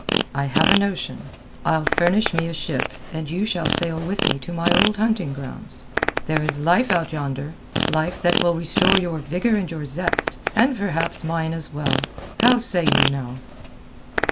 I have a notion. I'll furnish me a ship and you shall sail with me to my old hunting grounds. There is life out yonder—life that will restore your vigour and your zest, and perhaps mine as well. How say you, now?"